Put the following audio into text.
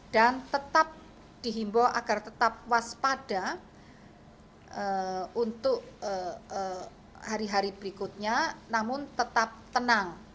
dan tetap dihimbau agar tetap waspada untuk hari hari berikutnya namun tetap tenang